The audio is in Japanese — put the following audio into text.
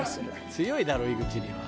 「強いだろ井口には」